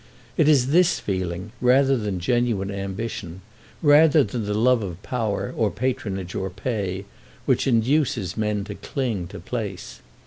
It is this feeling rather than genuine ambition, rather than the love of power or patronage or pay, which induces men to cling to place.